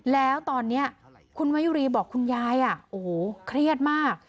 แล้วตอนนี้คุณมายุรีบอกคุณยายโอ้โหเครียดมาก